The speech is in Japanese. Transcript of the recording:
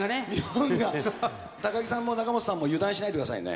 高木さんも仲本さんも油断しないでくださいね。